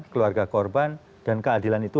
keluarga korban dan keadilan itu